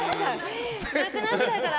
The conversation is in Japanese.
なくなっちゃうから。